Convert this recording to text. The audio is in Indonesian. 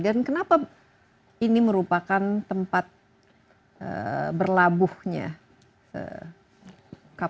dan kenapa ini merupakan tempat berlabuhnya